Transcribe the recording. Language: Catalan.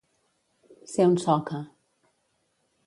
Ser un soca.